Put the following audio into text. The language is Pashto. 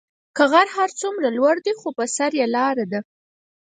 كه غر هر سومره لور دي خو به سر ئ لار دي.